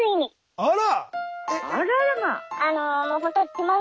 あら。